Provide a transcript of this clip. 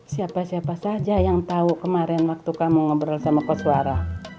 siapa siapa saja yang tahu kemarin waktu kamu ngobrol sama koswara